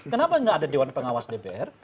kenapa nggak ada dewan pengawas dpr